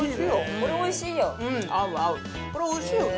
これ、おいしいよね？